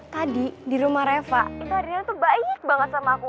tadi di rumah reva itu arina tuh banyak banget sama aku